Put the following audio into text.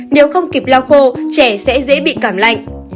nếu không kịp lau khô trẻ sẽ dễ bị cảm lạnh